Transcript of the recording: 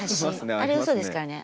あれうそですからね。